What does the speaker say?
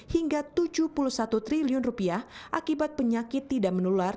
hingga rp tujuh puluh satu triliun rupiah akibat penyakit tidak menular